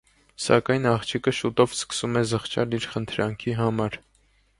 Սակայն աղջիկը շուտով սկսում է զղջալ իր խնդրանքի համար։